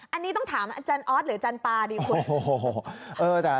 อันนี้ต้องถามอาจารย์ออสหรืออาจารย์ปาดีคุณ